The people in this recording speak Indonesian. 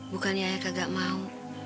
bukannya ayah kagak mau